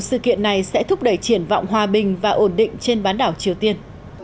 sự kiện này sẽ thúc đẩy triển vọng hòa bình và ổn định trên bán đảo triều tiên